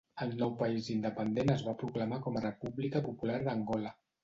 El nou país independent es va proclamar com a República Popular d'Angola.